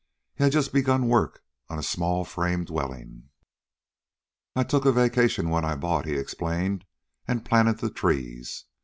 He had just begun work on a small frame dwelling. "I took a vacation when I bought," he explained, "and planted the trees.